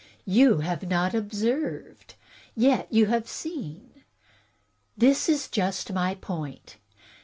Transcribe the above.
You have not observed. And yet you have seen. That is just my point.